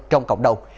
trong cộng đồng